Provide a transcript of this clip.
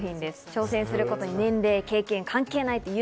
挑戦することに年齢関係ないという。